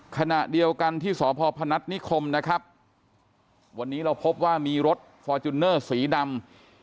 ขณะเดียวกันที่สพพนัฐนิคมนะครับวันนี้เราพบว่ามีรถฟอร์จูเนอร์สีดำ